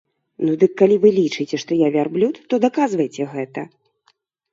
Ну дык калі вы лічыце, што я вярблюд, то даказвайце гэта.